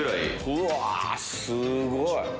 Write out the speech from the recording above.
うわすごい！